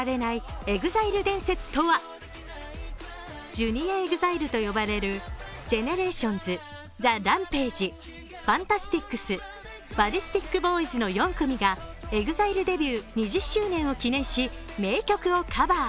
Ｊｒ．ＥＸＩＬＥと呼ばれるＧＥＮＥＲＡＴＩＯＮＳＴＨＥＲＡＭＰＡＧＥ、ＦＡＮＴＡＳＴＩＣＳＢＡＬＬＩＳＴＩＫＢＯＹＺの４組がＥＸＩＬＥデビュー２０周年を記念し名曲をカバー。